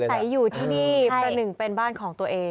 ก็คืออาศัยอยู่ที่นี่ประหนึ่งเป็นบ้านของตัวเอง